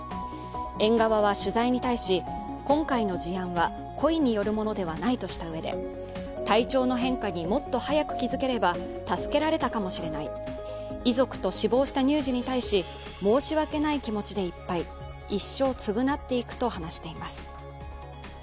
園側は取材に対し、今回の事案は故意によるものではないとしたうえで体調の変化にもっと早く気づければ助けられたかもしれない遺族と死亡した乳児に対し申し訳ない気持でいっぱい一生償っていくと話しています。